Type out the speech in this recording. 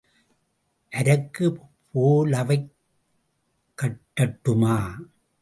அரக்குப் பேலாவைக் காட்டட்டுமா?